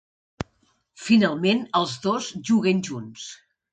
Finalment, els dos juguen junts.